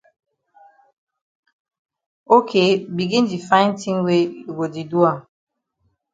Ok begin di find tin wey you go di do am.